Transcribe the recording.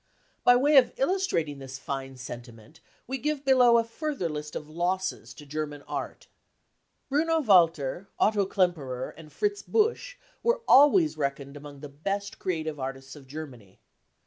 By way of illustrating this fine sentiment we give below a further list of losses to German art. Bruno Walter, Otto Klemperer and Fritz Busch were always reckoned among the best creative artists of Germany.